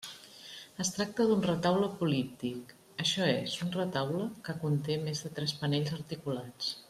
Es tracta d'un retaule políptic, això és, un retaule que conté més de tres panells articulats.